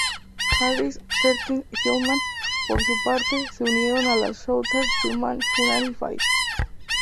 Harris, Perkins y Hillman, por su parte, se unieron a la Souther-Hillman-Furay Band.